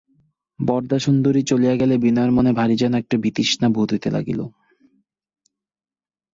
বরদাসুন্দরী চলিয়া গেলে বিনয়ের মনে ভারি একটা যেন বিতৃষ্ণা বোধ হইতে লাগিল।